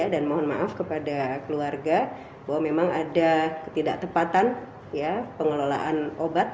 dan mohon maaf kepada keluarga bahwa memang ada ketidaktepatan pengelolaan obat